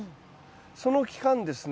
その期間ですね